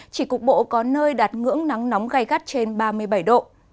chỉ cục bộ có nơi đặt ngưỡng nắng nóng gây gắt trên ba mươi bảy độ